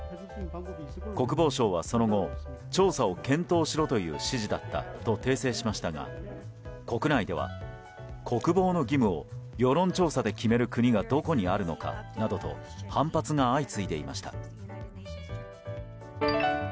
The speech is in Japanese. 国防省はその後、調査を検討しろという指示だったと訂正しましたが、国内では国防の義務を世論調査で決める国がどこにあるのか、などと反発が相次いでいました。